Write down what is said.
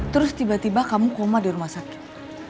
terus tiba tiba kamu koma di rumah sakit